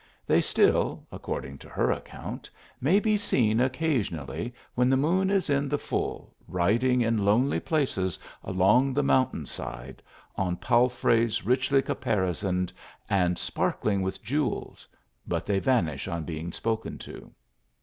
They still, according to her account, may be seen occasionally when the moon is in the full, riding in lonely places along the mountain side, on palfreys richly caparisoned, and sparkHng with jewels, but they vanish on being spoken to.